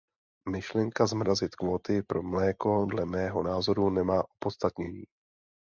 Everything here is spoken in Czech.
Myšlenka zmrazit kvóty pro mléko dle mého názoru nemá opodstatnění!